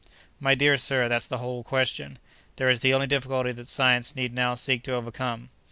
"My dear sir, that's the whole question. There is the only difficulty that science need now seek to overcome.